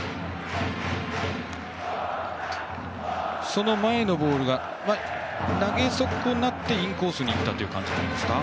その前のボールは投げそこなってインコースに行ったという感じですか。